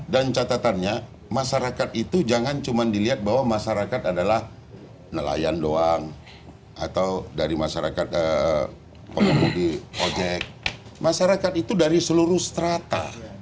dan catatannya masyarakat itu jangan cuma dilihat bahwa masyarakat adalah nelayan doang atau dari masyarakat masyarakat itu dari seluruh strata